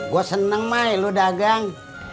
gua senang mai lu dagang